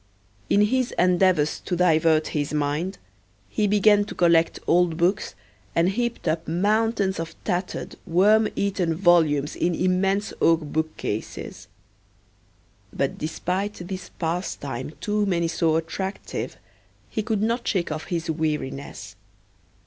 In his endeavors to divert his mind, he began to collect old books, and heaped up mountains of tattered, worm eaten volumes in immense oak bookcases. But despite this pastime to many so attractive, he could not shake off his weariness.